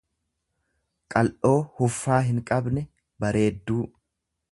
qal'oo huffaa hinqabne, bareedduu.